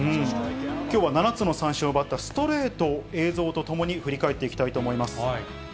きょうは７つの三振を奪ったストレート、映像ともに振り返っていきたいと思います。